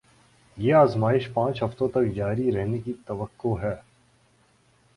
یہ آزمائش پانچ ہفتوں تک جاری رہنے کی توقع ہے